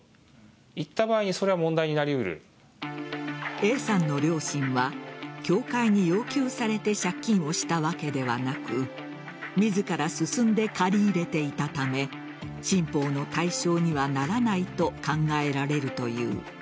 Ａさんの両親は教会に要求されて借金をしたわけではなく自ら進んで借り入れていたため新法の対象にはならないと考えられるという。